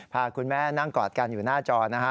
พาคุณแม่นั่งกอดกันอยู่หน้าจอนะฮะ